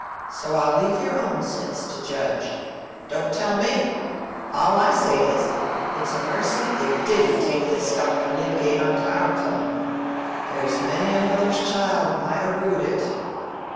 So I'll leave your own sense to judge. Don't tell me! All I say is, it's a mercy they didn't take this Doctor Lydgate on to our club. There's many a mother's child might ha' rued it."